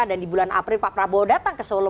dan di bulan april pak prabowo datang ke solo